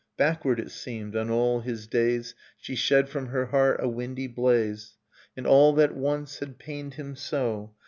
Backward, it seemed, on all his days She shed from her heart a windy blaze. And all that once had pained him so.